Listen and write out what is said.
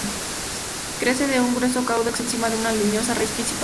Crece de un grueso caudex encima de una leñosa raíz principal.